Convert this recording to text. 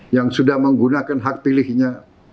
yang sudah menggunakan hak pilihnya